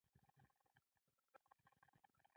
خو هغه دوه ځله ظالمانه تیری به لږ مثال ولري.